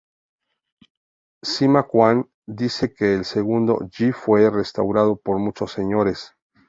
Sima Qian dice que el segundo Yi fue 'restaurado por muchos señores'.